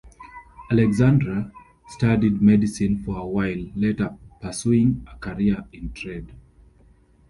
Alexandre studied medicine for a while, later pursuing a career in trade.